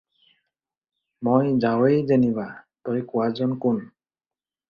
মই যাৱেঁই যেনিবা, তই কোৱাজন কোন?